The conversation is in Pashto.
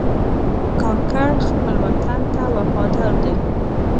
کاکړ خپل وطن ته وفادار دي.